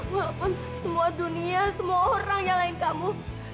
walaupun semua dunia semua orang yang lain kamu